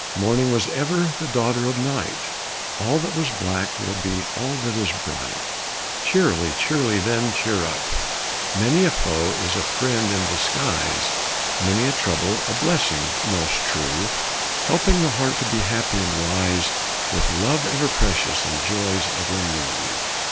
Morning was ever the daughter of night; All that was black will be all that is bright, Cheerily, cheerily, then cheer up. Many a foe is a friend in disguise, Many a trouble a blessing most true, Helping the heart to be happy and wise, With love ever precious and joys ever new.